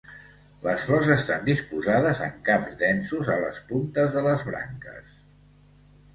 Les flors estan disposades en caps densos a les puntes de les branques.